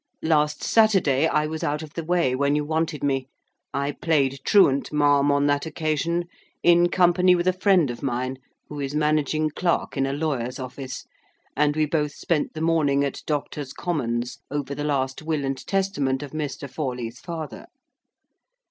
Last Saturday I was out of the way when you wanted me. I played truant, ma'am, on that occasion, in company with a friend of mine, who is managing clerk in a lawyer's office; and we both spent the morning at Doctors' Commons, over the last will and testament of Mr. Forley's father.